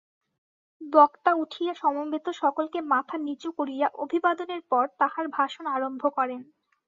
বক্তা উঠিয়া সমবেত সকলকে মাথা নীচু করিয়া অভিবাদনের পর তাঁহার ভাষণ আরম্ভ করেন।